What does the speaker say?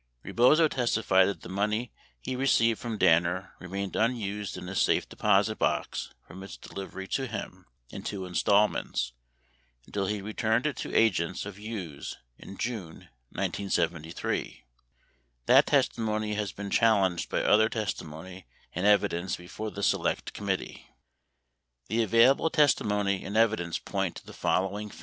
Rebozo testified that the money he received from Danner remained unused in a safe deposit box from its delivery to him — in two installments — until he returned it to agents of Hughes in June 1973. That testimony has been challenged by other testimony and evidence before the Select Committee. The available testimony and evidence point to the following facts : 12 24 Hearings 11302.